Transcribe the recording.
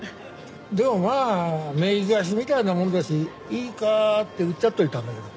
でもまあ名義貸しみたいなもんだしいいかってうっちゃっておいたんだけど。